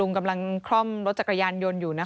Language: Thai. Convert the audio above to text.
กำลังคล่อมรถจักรยานยนต์อยู่นะคะ